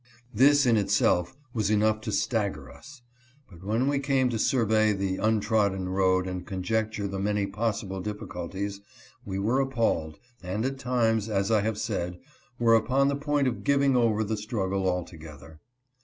This in itself was enough to stagger us ; but when we came to sur vey the untrodden road and conjecture the many possible difficulties, we were appalled, and at times, as I have said, were upon the point of giving over the struggle altogether.